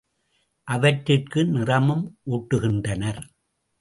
அவற்றிற்கு நிறமும் ஊட்டுகின்றனர்.